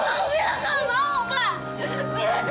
mila tetap ada papa